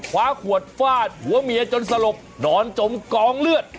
คว้าขวดฟาดหัวเมียจนสลบนอนจมกองเลือด